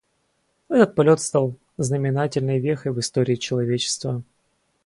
Этот полет стал знаменательной вехой в истории человечества.